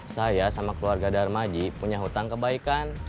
saya sama keluarga darmaji punya hutang kebaikan